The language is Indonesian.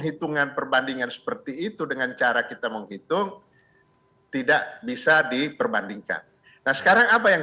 hitungan perbandingan seperti itu dengan cara kita menghitung tidak bisa diperbandingkan nah sekarang apa yang